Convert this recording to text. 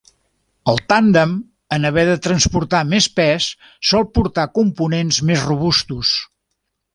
El tàndem, en haver de transportar més pes, sol portar components més robustos.